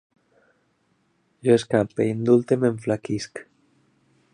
Jo escampe, indulte, m'enflaquisc